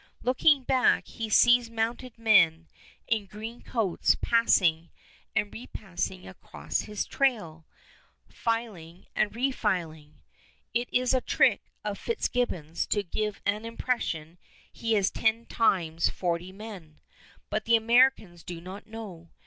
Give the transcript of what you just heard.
Looking back he sees mounted men in green coats passing and repassing across his trail, filing and refiling. It is a trick of Fitzgibbons to give an impression he has ten times forty men, but the Americans do not know.